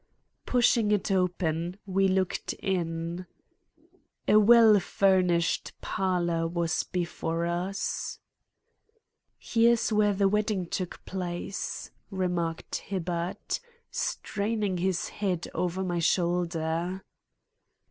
Pushing it open, we looked in. A well furnished parlor was before us. "Here's where the wedding took place," remarked Hibbard, straining his head over my shoulder.